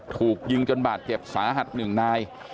ถูกยิงจนบาดเจ็บสาหัส๑นาย